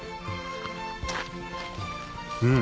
うん。